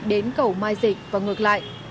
đến cầu mai dịch và ngược lại